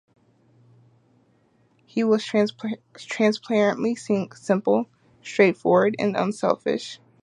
He was transparently simple, straightforward, and unselfish.